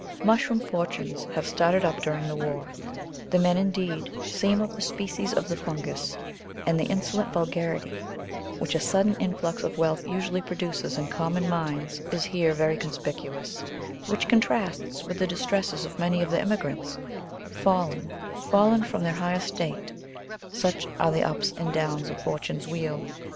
Mushroom fortunes have started up during the war; the men, indeed, seem of the species of the fungus, and the insolent vulgarity which a sudden influx of wealth usually produces in common minds is here very conspicuous, which contrasts with the distresses of many of the emigrants, "fallen, fallen from their high estate," such are the ups and downs of fortune's wheel.